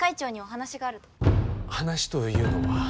話というのは？